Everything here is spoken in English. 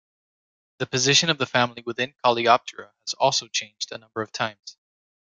The position of the family within Coleoptera has also changed a number of times.